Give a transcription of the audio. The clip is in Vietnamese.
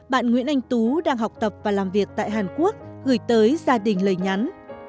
bạn nguyễn anh tú đang học tập và làm việc tại hàn quốc gửi tới gia đình lời nhắn